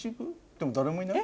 でも誰もいない？